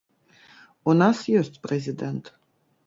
У нас ёсць прэзідэнт.